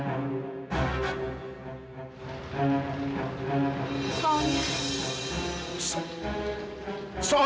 soalnya taufan mau menjelaskan sesuatu sama kamu